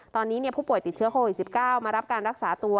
ตอนนี้ผู้ป่วยติดเชื้อโควิด๑๙มารับการรักษาตัว